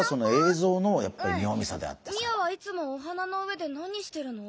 ミアはいつもお花の上で何してるの？